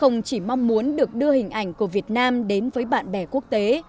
không chỉ mong muốn được đưa hình ảnh của việt nam đến với bạn bè quốc tế